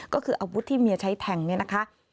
ก็คืออาวุธที่เมียใช้แทงเนี่ยนะคะ